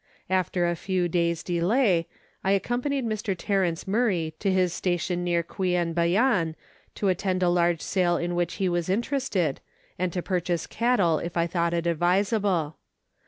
After a few days' delay, I accompanied Mr. Terence Murray to his station near Queanbeyan, to attend a large sale in which he was interested, and to purchase cattle if I thought it advisable.